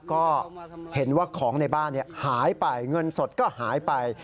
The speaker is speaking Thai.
ก็เห็นว่าของในบ้านหายไปเงินสดก็หายไป